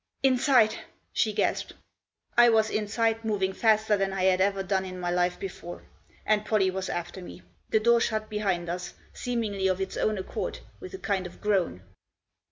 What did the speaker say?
" Inside !" she gasped. I was inside, moving faster than I had ever done in my life before. And Pollie was after me. The door shut behind us, seemingly of its own accord, with a kind of groan.